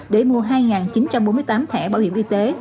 để mua hai chín trăm bốn mươi tám thẻ bảo hiểm y tế